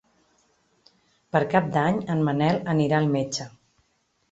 Per Cap d'Any en Manel anirà al metge.